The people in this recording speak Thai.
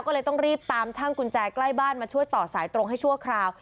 ก็เลยต้องรีบตามช่างกุญแจใกล้บ้านมาช่วยต่อสายตรงให้ชั่วคราว